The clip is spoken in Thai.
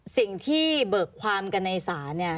สิ่งที่เบิกความกันในสารเนี่ย